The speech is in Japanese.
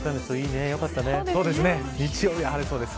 日曜日は晴れそうです。